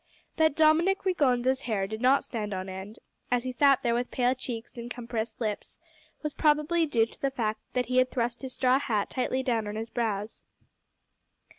That Dominick Rigonda's hair did not stand on end, as he sat there with pale cheeks and compressed lips, was probably due to the fact that he had thrust his straw hat tightly down on his brows.